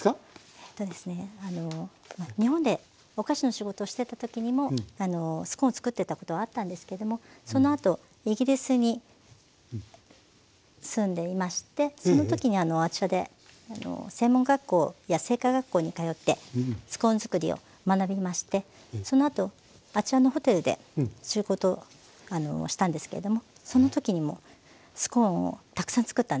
えっとですね日本でお菓子の仕事をしてたときにもスコーンを作ってたことはあったんですけどもそのあとイギリスに住んでいましてそのときにあちらで専門学校や製菓学校に通ってスコーン作りを学びましてそのあとあちらのホテルで仕事したんですけれどもそのときにもスコーンをたくさん作ったんですね。